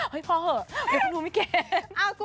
เฮ้ยพอเถอะเดี๋ยวคุณดูไม่แกล้ง